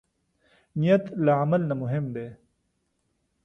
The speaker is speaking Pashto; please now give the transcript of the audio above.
نیت له عمل نه مهم دی.